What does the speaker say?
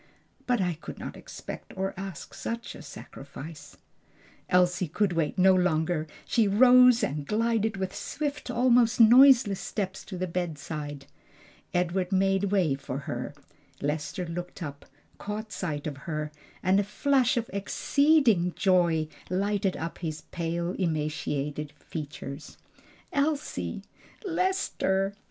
But I could not expect or ask such a sacrifice." Elsie could wait no longer; she rose and glided with swift, almost noiseless steps to the bedside. Edward made way for her. Lester looked up, caught sight of her, and a flash of exceeding joy lighted up his pale, emaciated features. "Elsie!" "Lester!"